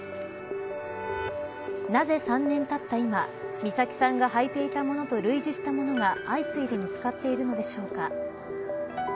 なぜ３年たった今美咲さんがはいていたものと類似したものが相次いで見つかっているのでしょうか。